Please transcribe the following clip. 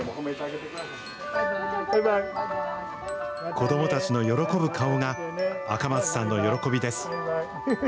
子どもたちの喜ぶ顔が、赤松さんの喜びです。